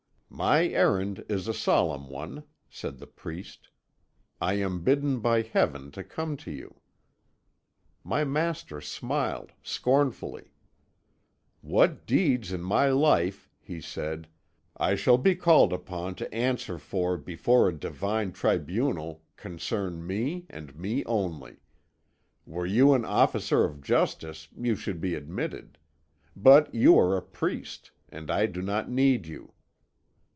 "'My errand is a solemn one,' said the priest; 'I am bidden by Heaven to come to you.' "My master smiled scornfully. 'What deeds in my life,' he said, 'I shall be called upon to answer for before a divine tribunal, concern me, and me only. Were you an officer of justice you should be admitted; but you are a priest, and I do not need you.